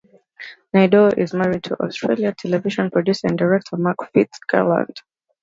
Naidoo is married to Australian television producer and director Mark FitzGerald.